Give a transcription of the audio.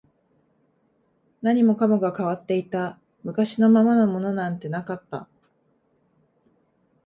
何もかもが変わっていた、昔のままのものなんてなかった